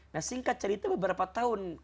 nah singkat cerita beberapa tahun